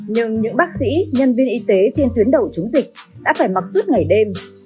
nhưng những bác sĩ nhân viên y tế trên tuyến đầu chống dịch đã phải mặc suốt ngày đêm